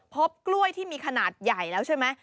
พบกล้วยที่มีขนาดใหญ่แล้วใช่ไหม